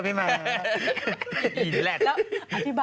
ใส่สักที